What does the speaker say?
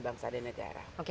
bangsa dan negara